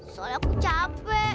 soalnya aku capek